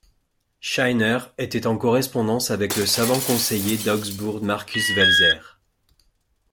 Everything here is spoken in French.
Scheiner était en correspondance avec le savant conseiller d’Augsbourg Markus Welser.